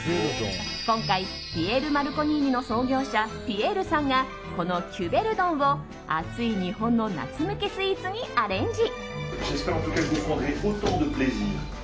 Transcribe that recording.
今回、ピエールマルコリーニの創業者ピエールさんがこのキュベルドンを暑い日本の夏向けスイーツにアレンジ。